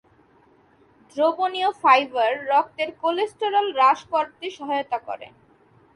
দ্রবণীয় ফাইবার রক্তের কোলেস্টেরল হ্রাস করতে সহায়তা করে।